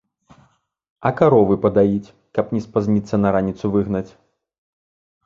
А каровы падаіць, каб не спазніцца на раніцу выгнаць?